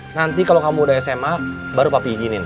nanti kalau kamu udah sma baru papi ijinin